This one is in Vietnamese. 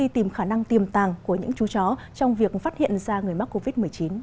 tìm khả năng tiềm tàng của những chú chó trong việc phát hiện ra người mắc covid một mươi chín